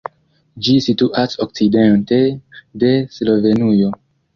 Ĝi situas okcidente de Slovenujo.